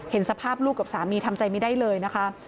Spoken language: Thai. เห็นสภาพลูกกับสามีทำใจไม่ได้เลยนะคะ